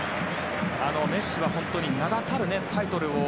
メッシは本当に、名だたるタイトルを。